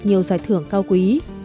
nhiều giải thưởng cao quý